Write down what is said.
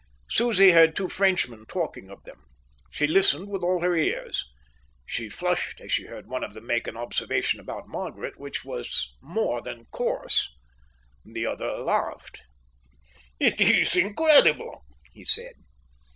Susie heard two Frenchmen talking of them. She listened with all her ears. She flushed as she heard one of them make an observation about Margaret which was more than coarse. The other laughed. "It is incredible," he said.